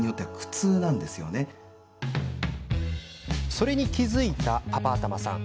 それに気付いたパパ頭さん。